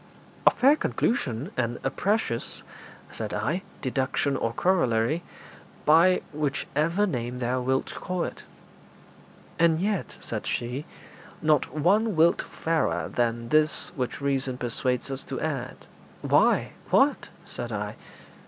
'A fair conclusion, and a precious,' said I, 'deduction or corollary, by whichever name thou wilt call it.' 'And yet,' said she, 'not one whit fairer than this which reason persuades us to add.' 'Why, what?' said I.